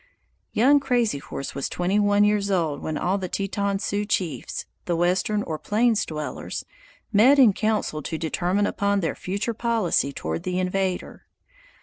Young Crazy Horse was twenty one years old when all the Teton Sioux chiefs (the western or plains dwellers) met in council to determine upon their future policy toward the invader.